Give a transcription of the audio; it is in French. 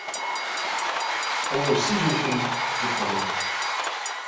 Oh ! si je l’ai connu ! je crois bien.